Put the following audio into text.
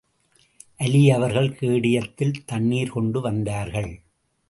அலீ அவர்கள் கேடயத்தில் தண்ணீர் கொண்டு வந்தார்கள்.